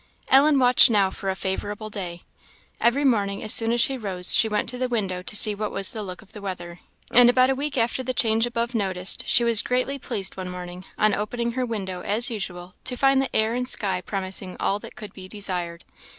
Ellen watched now for a favourable day. Every morning as soon as she rose, she went to the window to see what was the look of the weather; and about a week after the change above noticed, she was greatly pleased one morning, on opening her window, as usual, to find the air and sky promising all that could be desired.